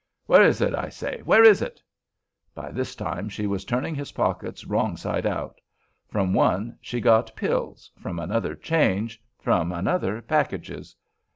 "Where is it, I say? where is it?" By this time she was turning his pockets wrong side out. From one she got pills, from another change, from another packages.